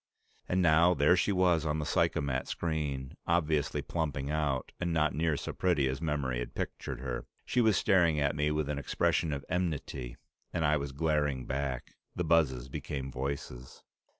And now, there she was on the psychomat screen, obviously plumping out, and not nearly so pretty as memory had pictured her. She was staring at me with an expression of enmity, and I was glaring back. The buzzes became voices.